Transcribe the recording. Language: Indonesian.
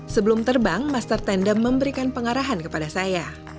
sebelum terbang master tandem memberikan pengarahan kepada saya